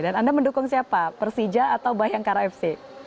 dan anda mendukung siapa persija atau bayangkara fc